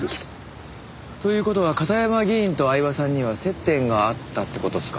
という事は片山議員と饗庭さんには接点があったって事っすか？